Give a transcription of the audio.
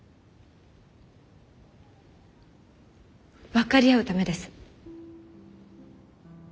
分かり合うためです。